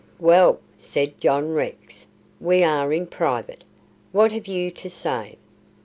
"Well," said John Rex, "we are in private. What have you to say?"